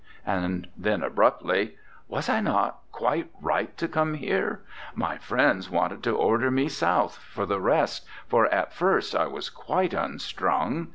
And then, abruptly: "Was I not quite right to come here? My friends wanted to order me South, for rest, for at first I was quite unstrung.